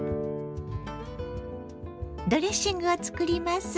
ドレッシングを作ります。